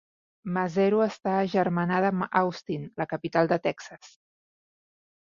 Maseru està agermanada amb Austin, la capital de Texas.